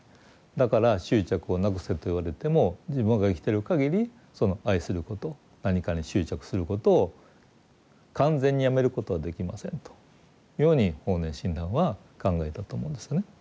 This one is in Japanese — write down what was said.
だから執着をなくせと言われても自分が生きてるかぎりその愛すること何かに執着することを完全にやめることはできませんというように法然親鸞は考えたと思うんですよね。